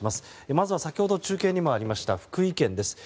まずは先ほど中継にもありました福井県です。